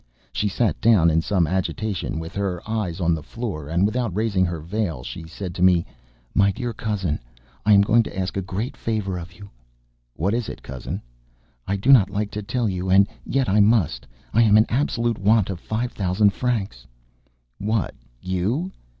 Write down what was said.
She sat down in some agitation, with her eyes on the floor, and without raising her veil she said to me: "My dear cousin, I am going to ask a great favour of you." "What is it, cousin?" "I do not like to tell you, and yet I must. I am in absolute want of five thousand francs." "What, you?"